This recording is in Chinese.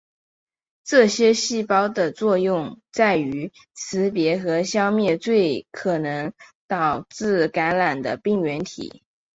这些细胞的作用在于识别和消灭可能导致感染的病原体。